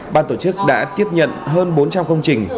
ban tổ chức đã tiếp nhận hơn bốn trăm linh công trình